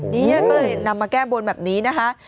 นี่ก็เลยนำมาแก้บนแบบนี้นะคะ